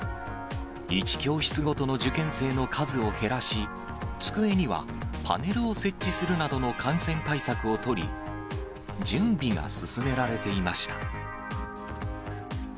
１教室ごとの受験生の数を減らし、机にはパネルを設置するなどの感染対策を取り、準備が進められていました。